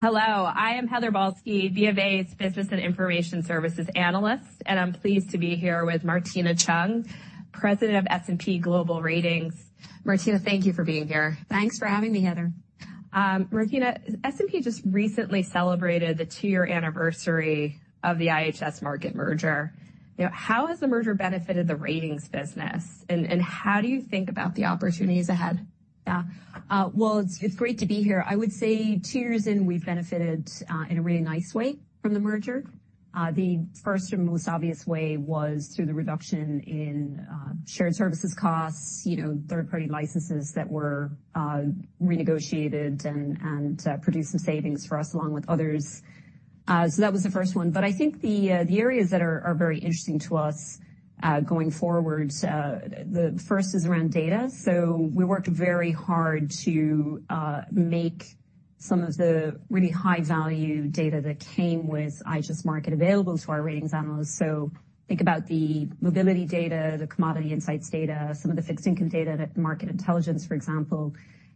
Hello, I am Heather Balsky, BofA's Business and Information Services analyst, and I'm pleased to be here with Martina Cheung, President of S&P Global Ratings. Martina, thank you for being here. Thanks for having me, Heather. Martina, S&P just recently celebrated the two-year anniversary of the IHS Markit merger. You know, how has the merger benefited the ratings business, and how do you think about the opportunities ahead? Yeah. Well, it's great to be here. I would say two years in, we've benefited in a really nice way from the merger. The first and most obvious way was through the reduction in shared services costs, you know, third-party licenses that were renegotiated and produced some savings for us, along with others. So that was the first one. But I think the areas that are very interesting to us going forward, the first is around data. So we worked very hard to make some of the really high-value data that came with IHS Markit available to our ratings analysts. So think about the mobility data, the commodity insights data, some of the fixed income data, that Market Intelligence, for example.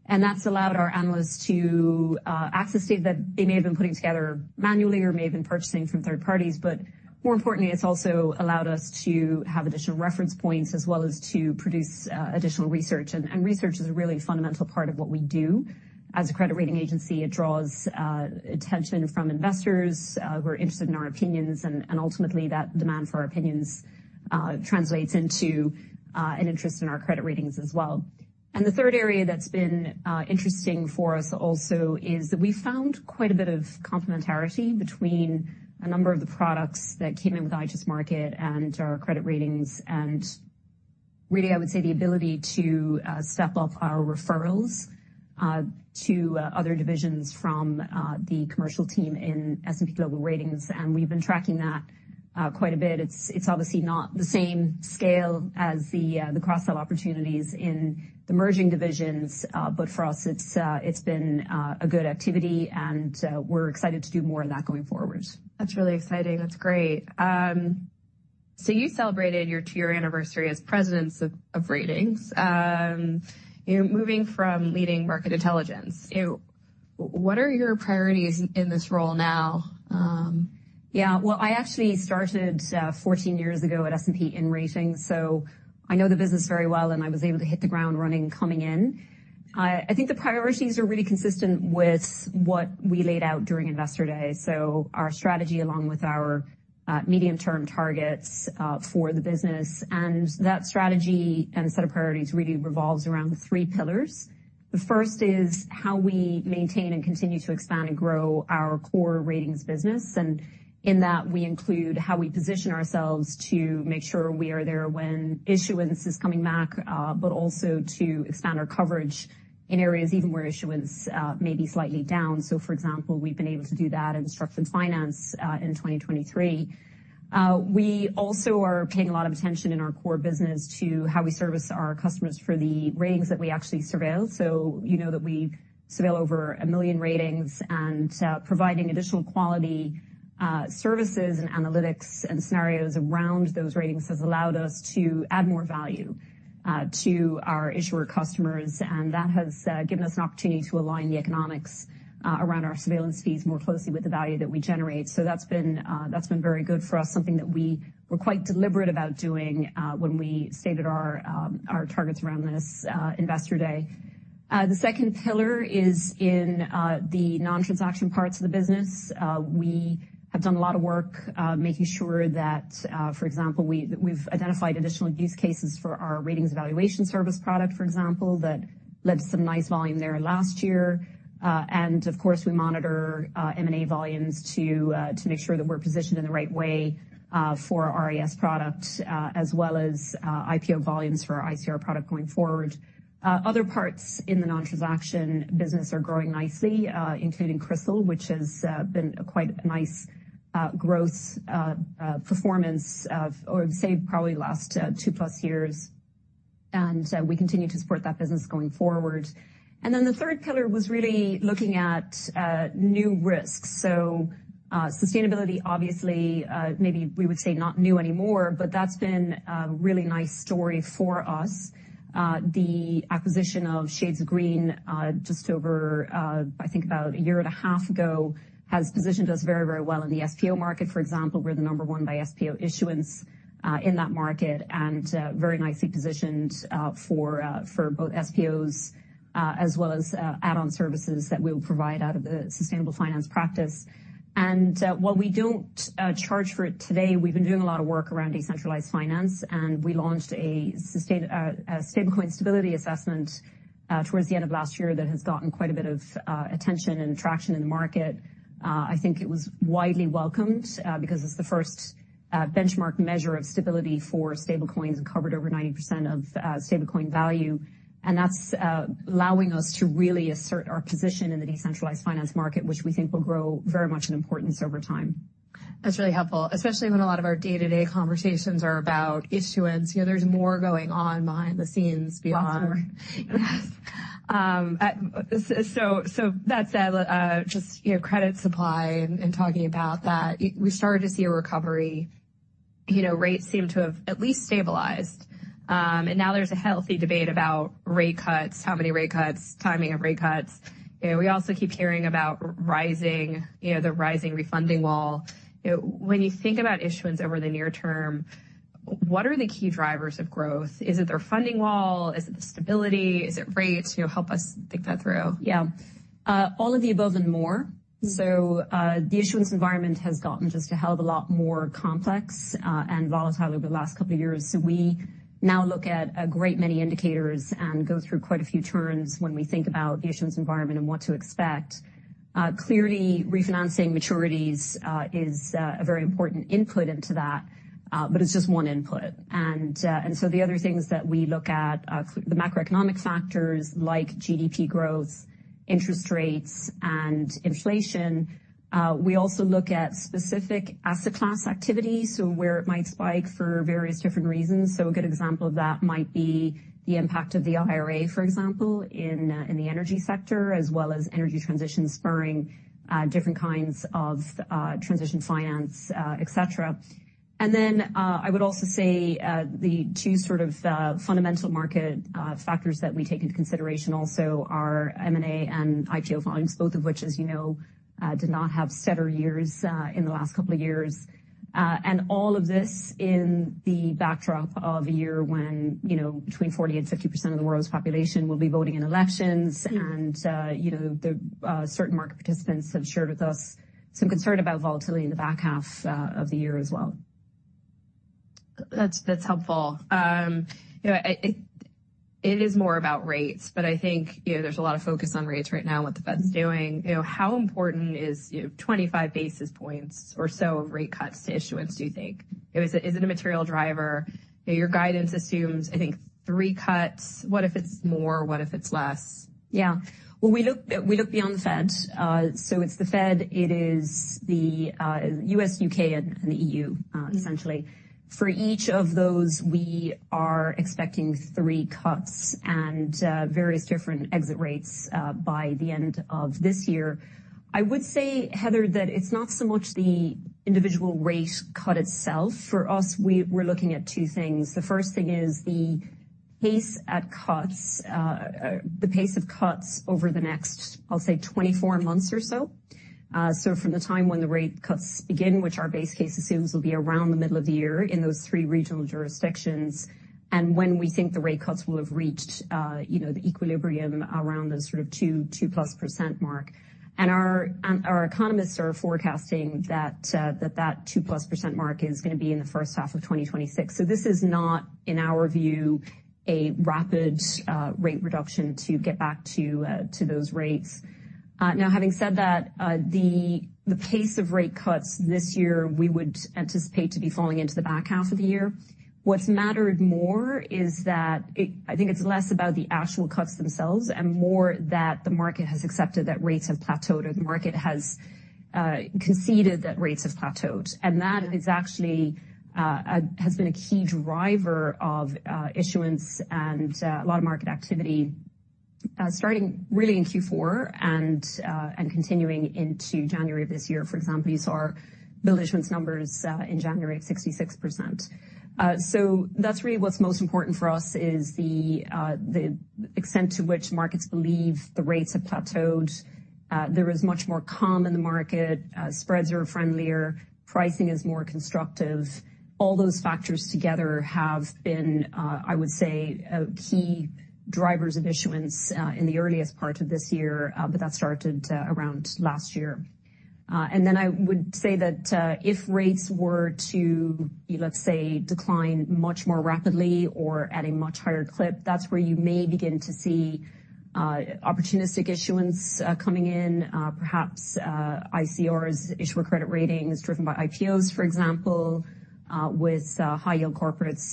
That's allowed our analysts to access data that they may have been putting together manually or may have been purchasing from third parties. But more importantly, it's also allowed us to have additional reference points as well as to produce additional research. And research is a really fundamental part of what we do. As a credit rating agency, it draws attention from investors who are interested in our opinions, and ultimately, that demand for our opinions translates into an interest in our credit ratings as well. And the third area that's been interesting for us also is that we found quite a bit of complementarity between a number of the products that came in with IHS Markit and our credit ratings, and really, I would say, the ability to step up our referrals to other divisions from the commercial team in S&P Global Ratings, and we've been tracking that quite a bit. It's obviously not the same scale as the cross-sell opportunities in the merging divisions, but for us, it's been a good activity, and we're excited to do more of that going forward. That's really exciting. That's great. So you celebrated your two-year anniversary as President of Ratings, you know, moving from leading Market Intelligence. You know, what are your priorities in this role now? Yeah, well, I actually started 14 years ago at S&P in ratings, so I know the business very well, and I was able to hit the ground running coming in. I think the priorities are really consistent with what we laid out during Investor Day, so our strategy, along with our medium-term targets, for the business. And that strategy and set of priorities really revolves around three pillars. The first is how we maintain and continue to expand and grow our core ratings business. And in that, we include how we position ourselves to make sure we are there when issuance is coming back, but also to expand our coverage in areas even where issuance may be slightly down. So, for example, we've been able to do that in structured finance in 2023. We also are paying a lot of attention in our core business to how we service our customers for the ratings that we actually surveil. So you know that we surveil over 1 million ratings, and providing additional quality services and analytics and scenarios around those ratings has allowed us to add more value to our issuer customers. And that has given us an opportunity to align the economics around our surveillance fees more closely with the value that we generate. So that's been, that's been very good for us, something that we were quite deliberate about doing when we stated our our targets around this Investor Day. The second pillar is in the non-transaction parts of the business. We have done a lot of work, making sure that, for example, we've identified additional use cases for our Ratings Evaluation Service product, for example, that led to some nice volume there last year. And of course, we monitor M&A volumes to make sure that we're positioned in the right way for our RES product as well as IPO volumes for our ICR product going forward. Other parts in the non-transaction business are growing nicely, including CRISIL, which has been quite a nice growth performance over the last two-plus years, and we continue to support that business going forward. And then the third pillar was really looking at new risks. Sustainability, obviously, maybe we would say not new anymore, but that's been a really nice story for us. The acquisition of Shades of Green, just over, I think about a year and a half ago, has positioned us very, very well in the SPO market. For example, we're the number one by SPO issuance in that market, and very nicely positioned for both SPOs as well as add-on services that we'll provide out of the sustainable finance practice. And while we don't charge for it today, we've been doing a lot of work around decentralized finance, and we launched a Stablecoin Stability Assessment towards the end of last year that has gotten quite a bit of attention and traction in the market. I think it was widely welcomed, because it's the first benchmark measure of stability for stablecoins and covered over 90% of stablecoin value. And that's allowing us to really assert our position in the decentralized finance market, which we think will grow very much in importance over time. That's really helpful, especially when a lot of our day-to-day conversations are about issuance. You know, there's more going on behind the scenes beyond. Lots more. So that said, just, you know, credit supply and talking about that, we started to see a recovery... you know, rates seem to have at least stabilized. And now there's a healthy debate about rate cuts, how many rate cuts, timing of rate cuts. You know, we also keep hearing about rising, you know, the rising refunding wall. When you think about issuance over the near term, what are the key drivers of growth? Is it their funding wall? Is it the stability? Is it rates? Help us think that through. Yeah. All of the above and more. So, the issuance environment has gotten just a hell of a lot more complex, and volatile over the last couple of years. So we now look at a great many indicators and go through quite a few turns when we think about the issuance environment and what to expect. Clearly, refinancing maturities is a very important input into that, but it's just one input. And, and so the other things that we look at are the macroeconomic factors like GDP growth, interest rates, and inflation. We also look at specific asset class activity, so where it might spike for various different reasons. So a good example of that might be the impact of the IRA, for example, in the energy sector, as well as energy transition spurring different kinds of transition finance, et cetera. And then I would also say the two sort of fundamental market factors that we take into consideration also are M&A and IPO volumes, both of which, as you know, did not have stellar years in the last couple of years. And all of this in the backdrop of a year when, you know, between 40% and 50% of the world's population will be voting in elections. And you know certain market participants have shared with us some concern about volatility in the back half of the year as well. That's, that's helpful. You know, it, it is more about rates, but I think, you know, there's a lot of focus on rates right now and what the Fed's doing. You know, how important is, you know, 25 basis points or so of rate cuts to issuance, do you think? Is it a material driver? Your guidance assumes, I think, three cuts. What if it's more? What if it's less? Yeah. Well, we look beyond the Fed. So it's the Fed, it is the U.S., U.K., and the EU, essentially. For each of those, we are expecting three cuts and various different exit rates by the end of this year. I would say, Heather, that it's not so much the individual rate cut itself. For us, we're looking at two things. The first thing is the pace of cuts over the next, I'll say, 24 months or so. So from the time when the rate cuts begin, which our base case assumes will be around the middle of the year in those three regional jurisdictions, and when we think the rate cuts will have reached, you know, the equilibrium around the sort of 2, 2%+ mark. And our economists are forecasting that that 2%+ mark is going to be in the first half of 2026. So this is not, in our view, a rapid rate reduction to get back to those rates. Now, having said that, the pace of rate cuts this year, we would anticipate to be falling into the back half of the year. What's mattered more is that it, I think it's less about the actual cuts themselves and more that the market has accepted that rates have plateaued or the market has conceded that rates have plateaued. And that is actually has been a key driver of issuance and a lot of market activity starting really in Q4 and continuing into January of this year. For example, you saw our Billed Issuance numbers in January of 66%. So that's really what's most important for us, is the extent to which markets believe the rates have plateaued. There is much more calm in the market, spreads are friendlier, pricing is more constructive. All those factors together have been, I would say, key drivers of issuance in the earliest part of this year, but that started around last year. And then I would say that, if rates were to, let's say, decline much more rapidly or at a much higher clip, that's where you may begin to see opportunistic issuance coming in. Perhaps ICRs, issuer credit ratings, driven by IPOs, for example, with high yield corporates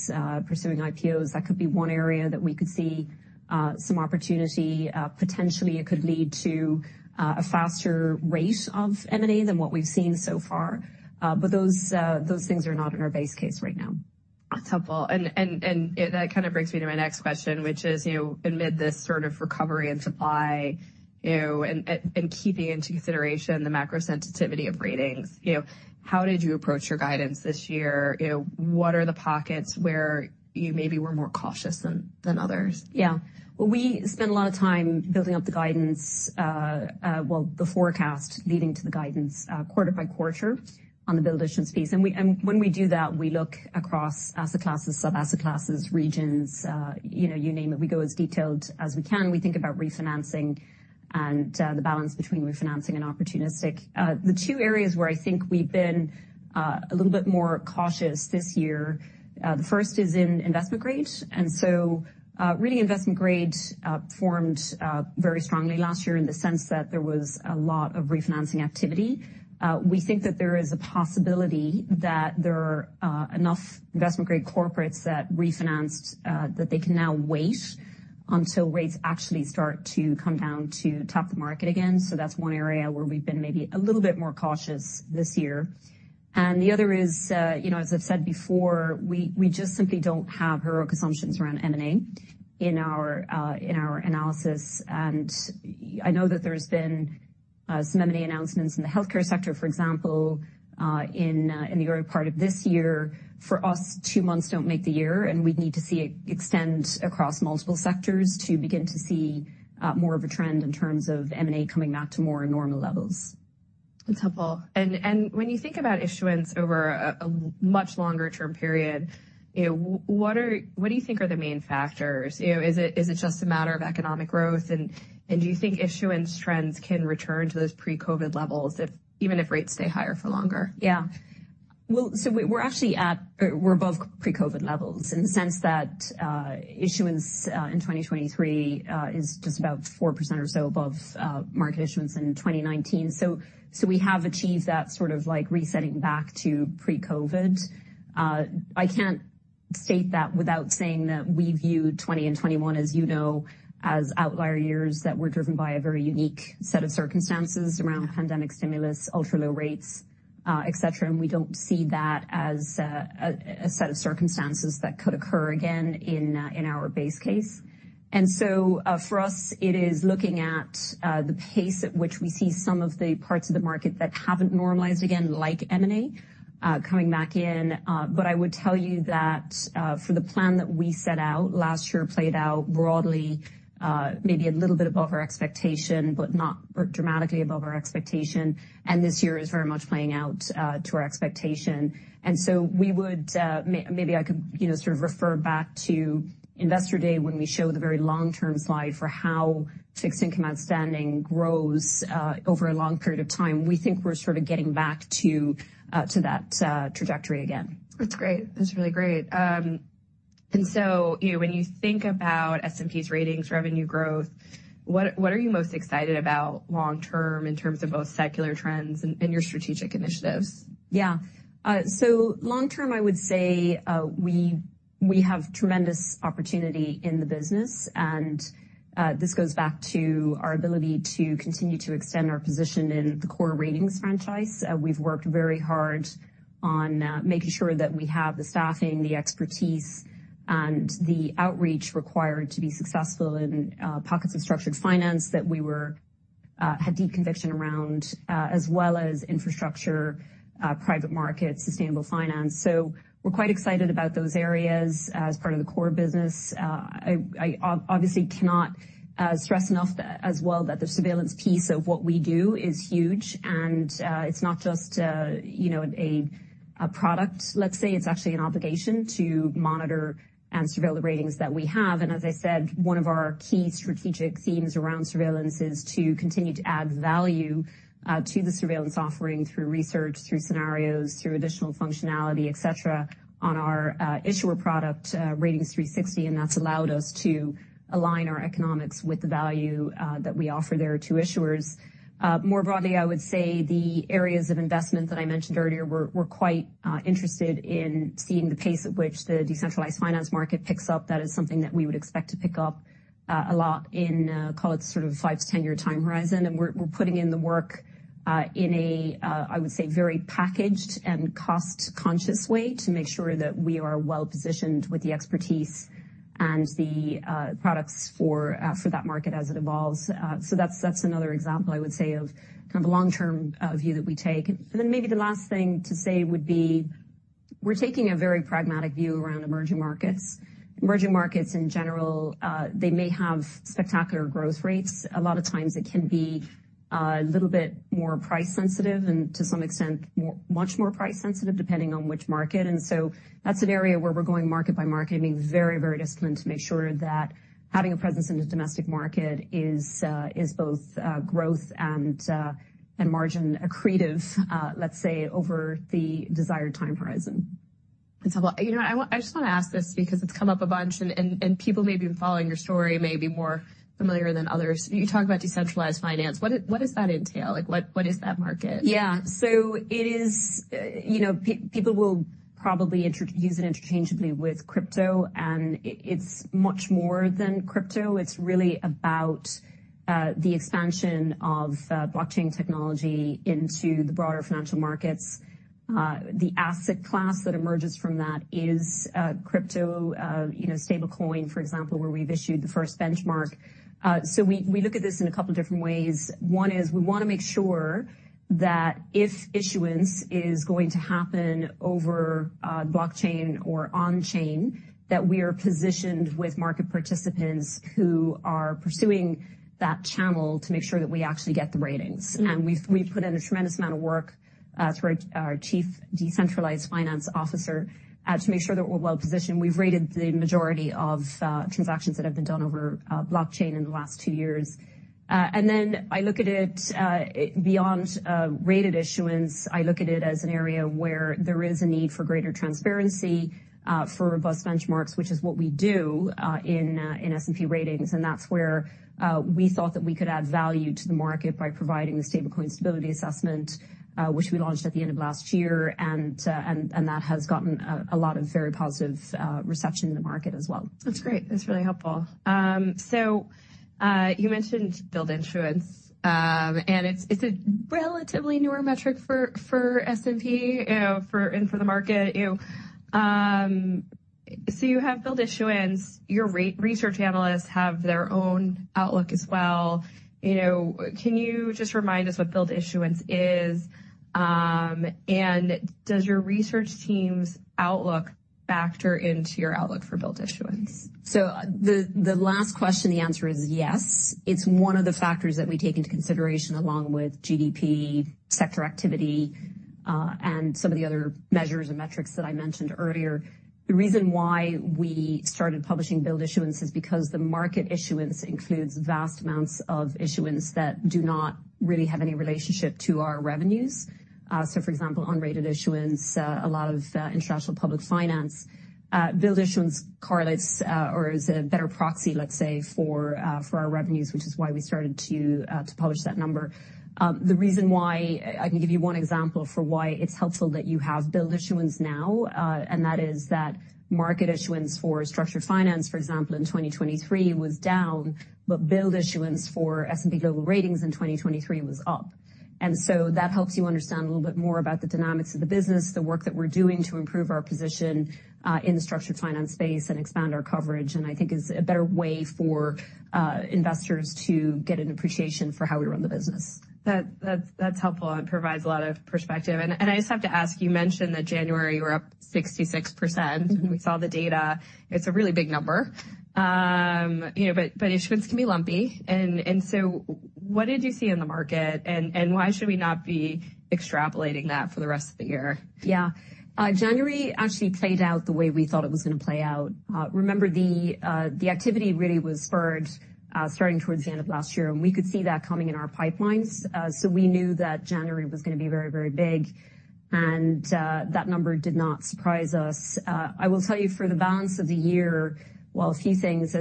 pursuing IPOs. That could be one area that we could see some opportunity. Potentially it could lead to a faster rate of M&A than what we've seen so far. But those things are not in our base case right now. That's helpful. And that kind of brings me to my next question, which is, you know, amid this sort of recovery and supply, you know, and keeping into consideration the macro sensitivity of ratings, you know, how did you approach your guidance this year? You know, what are the pockets where you maybe were more cautious than others? Yeah. Well, we spend a lot of time building up the guidance, well, the forecast leading to the guidance, quarter by quarter on the Bille Issuance piece. And when we do that, we look across asset classes, sub-asset classes, regions, you know, you name it. We go as detailed as we can. We think about refinancing and the balance between refinancing and opportunistic. The two areas where I think we've been a little bit more cautious this year, the first is in Investment Grade. And so, really, Investment Grade formed very strongly last year in the sense that there was a lot of refinancing activity. We think that there is a possibility that there are enough Investment Grade corporates that refinanced that they can now wait until rates actually start to come down to tap the market again. So that's one area where we've been maybe a little bit more cautious this year. And the other is, you know, as I've said before, we just simply don't have heroic assumptions around M&A in our analysis. And I know that there's been some M&A announcements in the healthcare sector, for example, in the early part of this year. For us, two months don't make the year, and we'd need to see it extend across multiple sectors to begin to see more of a trend in terms of M&A coming back to more normal levels. That's helpful. When you think about issuance over a much longer term period, you know, what do you think are the main factors? You know, is it just a matter of economic growth, and do you think issuance trends can return to those pre-COVID levels even if rates stay higher for longer? Yeah. Well, so we're actually at, we're above pre-COVID levels in the sense that, issuance in 2023 is just about 4% or so above, market issuance in 2019. So, we have achieved that sort of like resetting back to pre-COVID. I can't state that without saying that we view 2020 and 2021, as you know, as outlier years that were driven by a very unique set of circumstances around pandemic stimulus, ultra-low rates, et cetera, and we don't see that as a set of circumstances that could occur again in our base case. And so, for us, it is looking at the pace at which we see some of the parts of the market that haven't normalized again, like M&A, coming back in. But I would tell you that, for the plan that we set out last year played out broadly, maybe a little bit above our expectation, but not dramatically above our expectation. And this year is very much playing out to our expectation. And so we would, maybe I could, you know, sort of refer back to Investor Day when we show the very long-term slide for how fixed income outstanding grows over a long period of time. We think we're sort of getting back to to that trajectory again. That's great. That's really great. And so, you know, when you think about S&P's ratings, revenue growth, what, what are you most excited about long term in terms of both secular trends and, and your strategic initiatives? Yeah. So long term, I would say, we have tremendous opportunity in the business, and this goes back to our ability to continue to extend our position in the core ratings franchise. We've worked very hard on making sure that we have the staffing, the expertise, and the outreach required to be successful in pockets of structured finance that we had deep conviction around, as well as infrastructure, private markets, sustainable finance. So we're quite excited about those areas as part of the core business. I obviously cannot stress enough as well that the surveillance piece of what we do is huge, and it's not just, you know, a product, let's say, it's actually an obligation to monitor and surveil the ratings that we have. As I said, one of our key strategic themes around surveillance is to continue to add value to the surveillance offering through research, through scenarios, through additional functionality, et cetera, on our issuer product, Ratings360, and that's allowed us to align our economics with the value that we offer there to issuers. More broadly, I would say the areas of investment that I mentioned earlier, we're quite interested in seeing the pace at which the decentralized finance market picks up. That is something that we would expect to pick up a lot in, call it sort of a five-10-year time horizon, and we're putting in the work in a, I would say, very packaged and cost-conscious way to make sure that we are well positioned with the expertise and the products for that market as it evolves. So that's another example, I would say, of kind of the long-term view that we take. And then maybe the last thing to say would be, we're taking a very pragmatic view around emerging markets. Emerging markets in general, they may have spectacular growth rates. A lot of times it can be a little bit more price sensitive, and to some extent, much more price sensitive, depending on which market. And so that's an area where we're going market by market, and being very, very disciplined to make sure that having a presence in the domestic market is both growth and margin accretive, let's say, over the desired time horizon. That's helpful. You know what? I just want to ask this because it's come up a bunch, and people may be following your story may be more familiar than others. You talk about decentralized finance. What does that entail? Like, what is that market? Yeah. So it is. You know, people will probably introduce it interchangeably with crypto, and it, it's much more than crypto. It's really about the expansion of blockchain technology into the broader financial markets. The asset class that emerges from that is crypto, you know, Stablecoin, for example, where we've issued the first benchmark. So we look at this in a couple different ways. One is we want to make sure that if issuance is going to happen over blockchain or on chain, that we are positioned with market participants who are pursuing that channel to make sure that we actually get the ratings. Mm-hmm. And we've put in a tremendous amount of work through our Chief Decentralized Finance Officer to make sure that we're well positioned. We've rated the majority of transactions that have been done over blockchain in the last two years. And then I look at it beyond rated issuance. I look at it as an area where there is a need for greater transparency for robust benchmarks, which is what we do in S&P ratings. And that's where we thought that we could add value to the market by providing the Stablecoin Stability Assessment, which we launched at the end of last year, and that has gotten a lot of very positive reception in the market as well. That's great. That's really helpful. So, you mentioned Biiled Issuance, and it's a relatively newer metric for S&P, you know, and for the market, you know. So you have Biiled Issuance. Your research analysts have their own outlook as well. You know, can you just remind us what Biiled Issuance is? And does your research team's outlook factor into your outlook for Biiled Issuance? So the last question, the answer is yes. It's one of the factors that we take into consideration, along with GDP, sector activity, and some of the other measures and metrics that I mentioned earlier. The reason why we started publishing Biiled Issuance is because the Market Issuance includes vast amounts of issuance that do not really have any relationship to our revenues. For example, unrated issuance, a lot of international public finance. Biiled Issuance correlates or is a better proxy, let's say, for our revenues, which is why we started to publish that number. The reason why... I can give you one example for why it's helpful that you have Biiled Issuance now, and that is that market issuance for Structured Finance, for example, in 2023, was down, but Biiled Issuance for S&P Global Ratings in 2023 was up. And so that helps you understand a little bit more about the dynamics of the business, the work that we're doing to improve our position in the Structured Finance space and expand our coverage, and I think is a better way for investors to get an appreciation for how we run the business. That's helpful and provides a lot of perspective. And I just have to ask, you mentioned that January, you were up 66%. Mm-hmm. We saw the data. It's a really big number. You know, but issuance can be lumpy. And so what did you see in the market, and why should we not be extrapolating that for the rest of the year? Yeah. January actually played out the way we thought it was going to play out. Remember the activity really was spurred, starting towards the end of last year, and we could see that coming in our pipelines. So we knew that January was going to be very, very big, and, that number did not surprise us. I will tell you for the balance of the year, while a few things,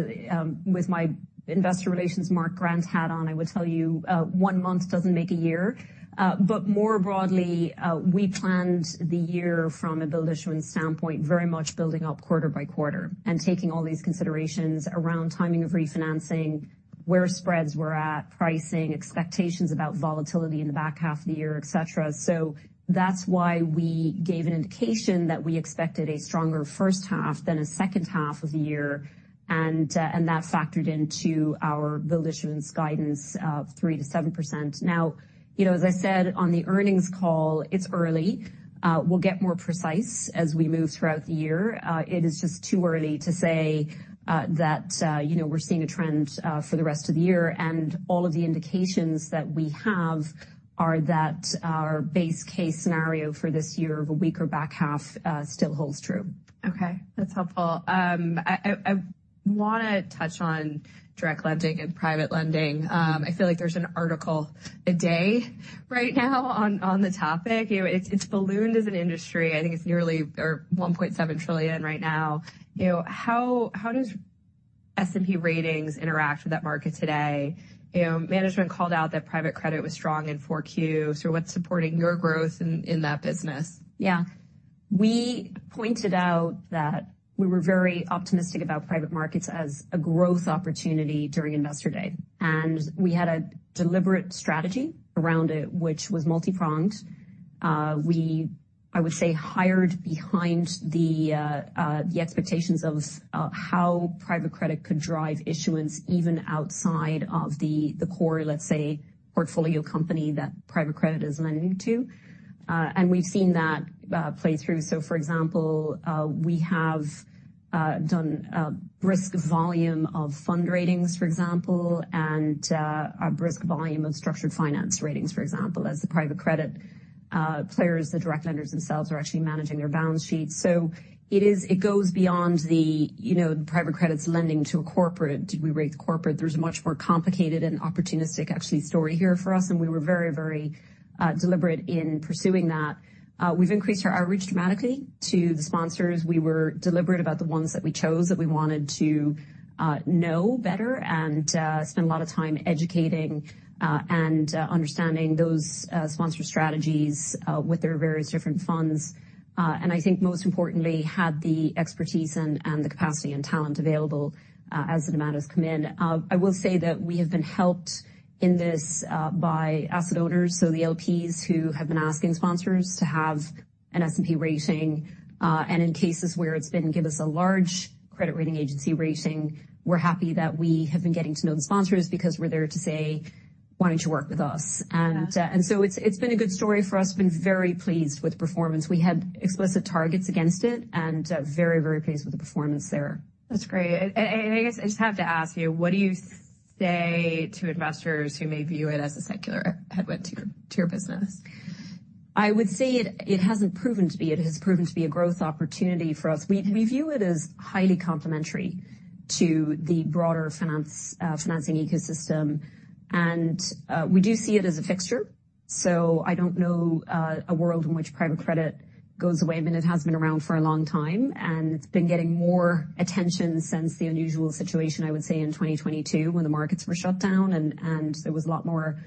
with my investor relations Mark Grant hat on, I will tell you, one month doesn't make a year. But more broadly, we planned the year from a Biiled Issuance standpoint, very much building up quarter by quarter and taking all these considerations around timing of refinancing, where spreads were at, pricing, expectations about volatility in the back half of the year, et cetera. So that's why we gave an indication that we expected a stronger first half than a second half of the year, and that factored into our Billed Issuance guidance of 3%-7%. Now, you know, as I said on the earnings call, it's early. We'll get more precise as we move throughout the year. It is just too early to say that you know we're seeing a trend for the rest of the year. And all of the indications that we have are that our base case scenario for this year of a weaker back half still holds true. Okay, that's helpful. I want to touch on direct lending and private lending. I feel like there's an article a day right now on the topic. You know, it's ballooned as an industry. I think it's nearly or $1.7 trillion right now. You know, how does S&P ratings interact with that market today? You know, management called out that private credit was strong in 4Q. So what's supporting your growth in that business? Yeah. We pointed out that we were very optimistic about private markets as a growth opportunity during Investor Day, and we had a deliberate strategy around it, which was multipronged. We, I would say, hired behind the expectations of how private credit could drive issuance even outside of the core, let's say, portfolio company that private credit is lending to. And we've seen that play through. So for example, we have done a brisk volume of fund ratings, for example, and a brisk volume of structured finance ratings, for example, as the private credit players, the direct lenders themselves, are actually managing their balance sheets. So it is - it goes beyond the, you know, the private credits lending to a corporate. Do we rate the corporate? There's a much more complicated and opportunistic, actually, story here for us, and we were very, very, deliberate in pursuing that. We've increased our outreach dramatically to the sponsors. We were deliberate about the ones that we chose, that we wanted to, know better and, spend a lot of time educating, and, understanding those, sponsor strategies, with their various different funds. And I think most importantly, had the expertise and, and the capacity and talent available, as the demands come in. I will say that we have been helped in this, by asset owners, so the LPs who have been asking sponsors to have an S&P rating, and in cases where it's been, "Give us a large credit rating, agency rating," we're happy that we have been getting to know the sponsors because we're there to say, "Why don't you work with us? Yeah. And so it's been a good story for us. We've been very pleased with the performance. We had explicit targets against it and very, very pleased with the performance there. That's great. And I guess I just have to ask you, what do you say to investors who may view it as a secular headwind to your business? I would say it hasn't proven to be. It has proven to be a growth opportunity for us. We view it as highly complementary to the broader financing ecosystem, and we do see it as a fixture. So I don't know a world in which private credit goes away, but it has been around for a long time, and it's been getting more attention since the unusual situation, I would say, in 2022, when the markets were shut down and there was a lot more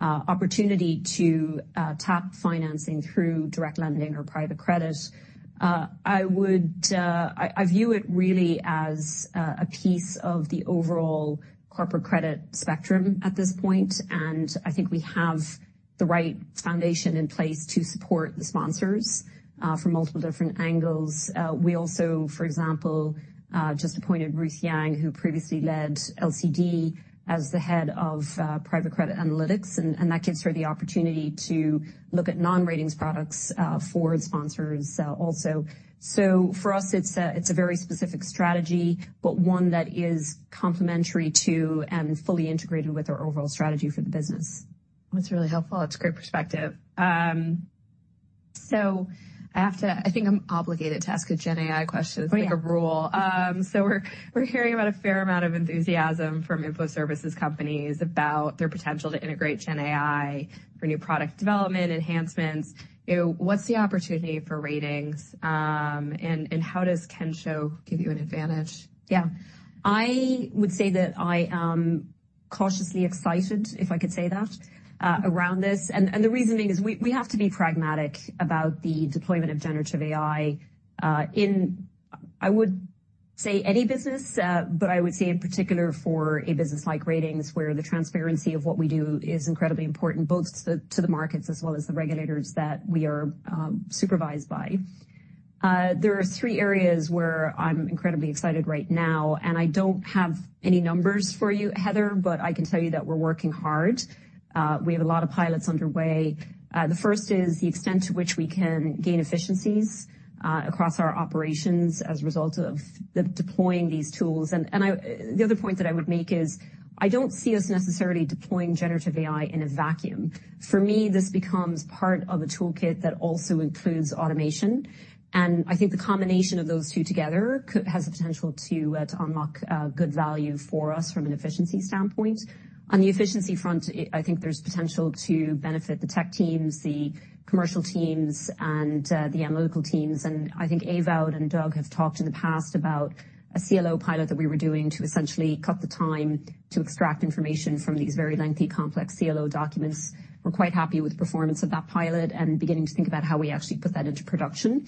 opportunity to tap financing through direct lending or private credit. I would. I view it really as a piece of the overall corporate credit spectrum at this point, and I think we have the right foundation in place to support the sponsors from multiple different angles. We also, for example, just appointed Ruth Yang, who previously led LCD, as the head of private credit analytics, and, and that gives her the opportunity to look at non-ratings products for sponsors also. So for us, it's a, it's a very specific strategy, but one that is complementary to and fully integrated with our overall strategy for the business. That's really helpful. That's a great perspective. So I have to... I think I'm obligated to ask a Gen AI question as like a rule. Oh, yeah. So we're hearing about a fair amount of enthusiasm from info services companies about their potential to integrate Gen AI for new product development, enhancements. You know, what's the opportunity for ratings, and how does Kensho give you an advantage? Yeah. I would say that I am cautiously excited, if I could say that, around this. The reasoning is we have to be pragmatic about the deployment of generative AI in any business, but I would say in particular for a business like ratings, where the transparency of what we do is incredibly important, both to the markets as well as the regulators that we are supervised by. There are three areas where I'm incredibly excited right now, and I don't have any numbers for you, Heather, but I can tell you that we're working hard. We have a lot of pilots underway. The first is the extent to which we can gain efficiencies across our operations as a result of deploying these tools. And I... The other point that I would make is, I don't see us necessarily deploying generative AI in a vacuum. For me, this becomes part of a toolkit that also includes automation, and I think the combination of those two together could has the potential to to unlock good value for us from an efficiency standpoint. On the efficiency front, I think there's potential to benefit the tech teams, the commercial teams, and the analytical teams. I think Ewout and Doug have talked in the past about a CLO pilot that we were doing to essentially cut the time to extract information from these very lengthy, complex CLO documents. We're quite happy with the performance of that pilot and beginning to think about how we actually put that into production,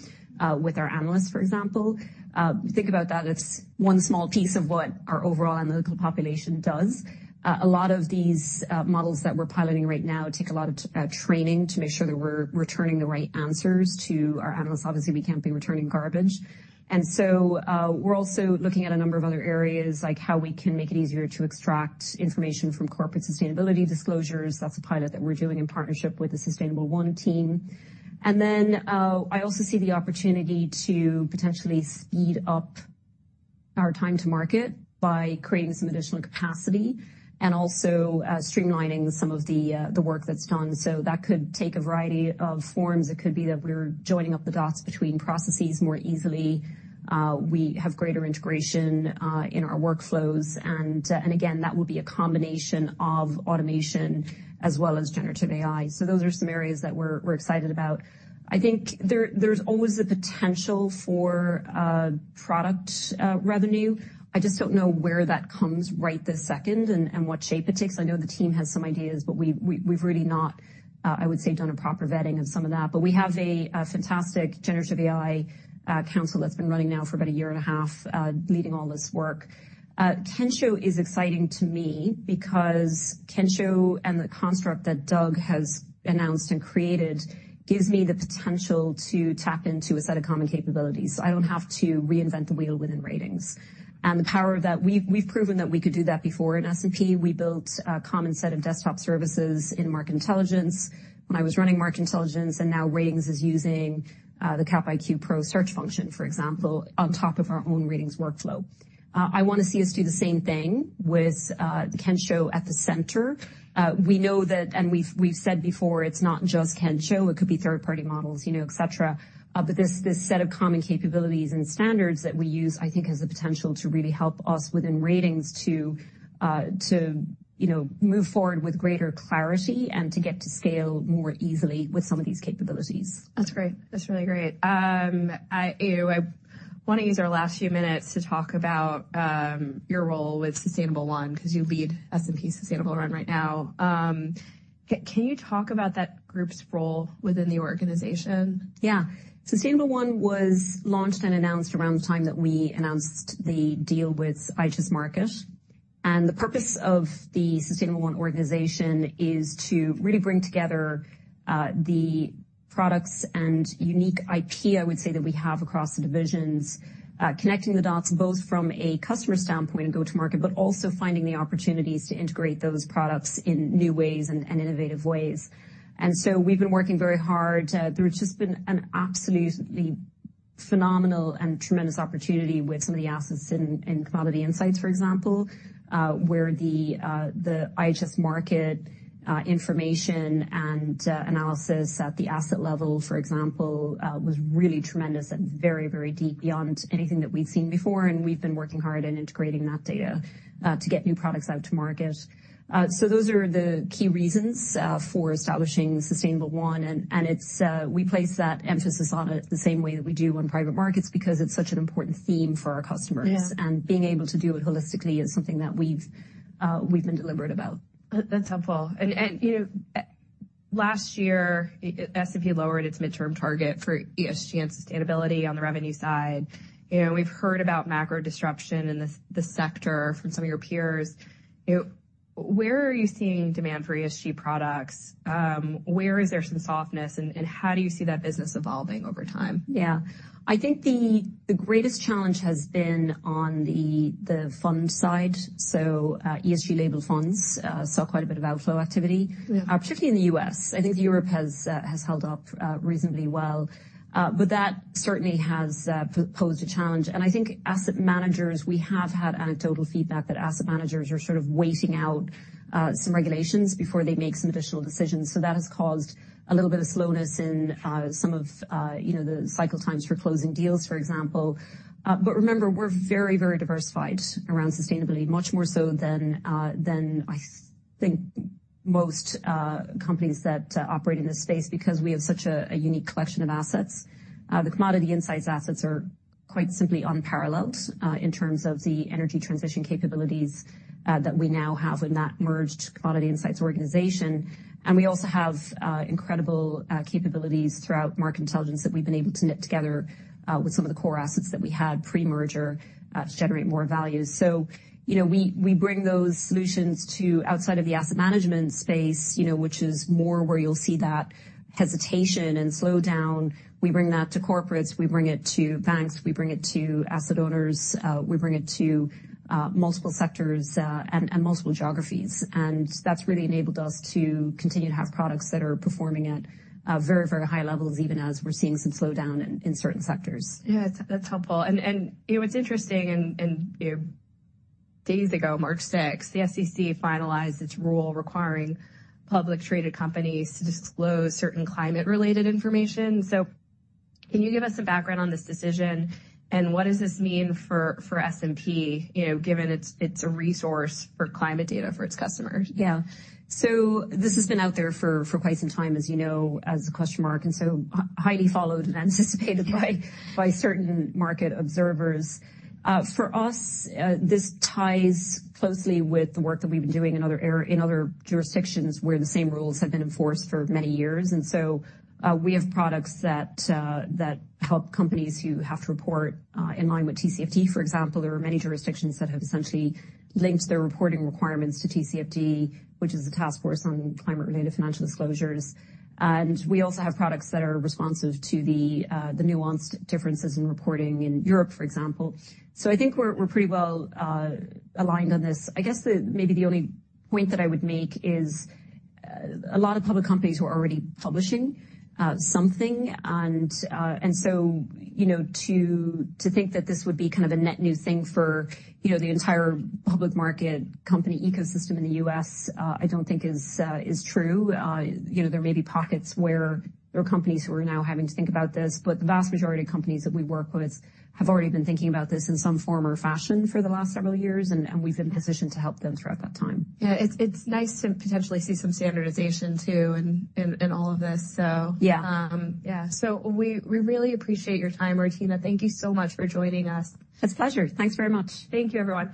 with our analysts, for example. Think about that as one small piece of what our overall analytical population does. A lot of these models that we're piloting right now take a lot of training to make sure that we're returning the right answers to our analysts. Obviously, we can't be returning garbage. And so, we're also looking at a number of other areas, like how we can make it easier to extract information from corporate sustainability disclosures. That's a pilot that we're doing in partnership with the Sustainable1 team. And then, I also see the opportunity to potentially speed up our time to market by creating some additional capacity and also streamlining some of the work that's done. So that could take a variety of forms. It could be that we're joining up the dots between processes more easily. We have greater integration in our workflows, and again, that would be a combination of automation as well as generative AI. So those are some areas that we're excited about. I think there's always the potential for product revenue. I just don't know where that comes right this second and what shape it takes. I know the team has some ideas, but we've really not, I would say, done a proper vetting of some of that. But we have a fantastic generative AI council that's been running now for about a year and a half leading all this work. Kensho is exciting to me because Kensho and the construct that Doug has announced and created gives me the potential to tap into a set of common capabilities. So I don't have to reinvent the wheel within ratings. And the power of that, we've proven that we could do that before. In S&P, we built a common set of desktop services in market intelligence when I was running market intelligence, and now ratings is using the Cap IQ Pro search function, for example, on top of our own ratings workflow. I want to see us do the same thing with Kensho at the center. We know that, and we've said before, it's not just Kensho, it could be third-party models, you know, et cetera. But this set of common capabilities and standards that we use, I think, has the potential to really help us within ratings to, you know, move forward with greater clarity and to get to scale more easily with some of these capabilities. That's great. That's really great. You know, I want to use our last few minutes to talk about your role with Sustainable1, because you lead S&P Sustainable1 right now. Can you talk about that group's role within the organization? Yeah. Sustainable1 was launched and announced around the time that we announced the deal with IHS Markit, and the purpose of the Sustainable1 organization is to really bring together, the products and unique IP, I would say, that we have across the divisions. Connecting the dots, both from a customer standpoint and go-to-market, but also finding the opportunities to integrate those products in new ways and, and innovative ways. And so we've been working very hard. There's just been an absolutely phenomenal and tremendous opportunity with some of the assets in, in Commodity Insights, for example, where the, the IHS Markit, information and, analysis at the asset level, for example, was really tremendous and very, very deep beyond anything that we'd seen before, and we've been working hard in integrating that data, to get new products out to market. So those are the key reasons for establishing Sustainable1, and it's, we place that emphasis on it the same way that we do on private markets, because it's such an important theme for our customers. Yeah. Being able to do it holistically is something that we've been deliberate about. That's helpful. And, you know, last year, S&P lowered its midterm target for ESG and sustainability on the revenue side. You know, we've heard about macro disruption in this, the sector from some of your peers. Where are you seeing demand for ESG products? Where is there some softness, and how do you see that business evolving over time? Yeah. I think the greatest challenge has been on the fund side. So, ESG labeled funds saw quite a bit of outflow activity- Yeah. Particularly in the U.S. I think Europe has held up reasonably well, but that certainly has posed a challenge. And I think asset managers, we have had anecdotal feedback that asset managers are sort of waiting out some regulations before they make some additional decisions. So that has caused a little bit of slowness in some of, you know, the cycle times for closing deals, for example. But remember, we're very, very diversified around sustainability, much more so than than I think most companies that operate in this space, because we have such a unique collection of assets. The Commodity Insights assets are quite simply unparalleled in terms of the energy transition capabilities that we now have in that merged Commodity Insights organization. And we also have incredible capabilities throughout market intelligence that we've been able to knit together with some of the core assets that we had pre-merger to generate more value. So, you know, we, we bring those solutions to outside of the asset management space, you know, which is more where you'll see that hesitation and slowdown. We bring that to corporates, we bring it to banks, we bring it to asset owners, we bring it to multiple sectors, and multiple geographies. And that's really enabled us to continue to have products that are performing at very, very high levels, even as we're seeing some slowdown in certain sectors. Yeah, that's helpful. You know, it's interesting. You know, days ago, March sixth, the SEC finalized its rule requiring public traded companies to disclose certain climate-related information. So can you give us some background on this decision, and what does this mean for S&P, you know, given it's a resource for climate data for its customers? Yeah. So this has been out there for quite some time, as you know, as a question mark, and so highly followed and anticipated by certain market observers. For us, this ties closely with the work that we've been doing in other jurisdictions, where the same rules have been enforced for many years. And so, we have products that help companies who have to report in line with TCFD, for example. There are many jurisdictions that have essentially linked their reporting requirements to TCFD, which is the Task Force on Climate-Related Financial Disclosures. And we also have products that are responsive to the nuanced differences in reporting in Europe, for example. So I think we're pretty well aligned on this. I guess the... Maybe the only point that I would make is, a lot of public companies were already publishing something. So, you know, to think that this would be kind of a net new thing for, you know, the entire public market company ecosystem in the U.S., I don't think is true. You know, there may be pockets where there are companies who are now having to think about this, but the vast majority of companies that we work with have already been thinking about this in some form or fashion for the last several years, and we've been positioned to help them throughout that time. Yeah. It's nice to potentially see some standardization, too, in all of this, so- Yeah. Yeah. So we really appreciate your time, Martina. Thank you so much for joining us. It's a pleasure. Thanks very much. Thank you, everyone.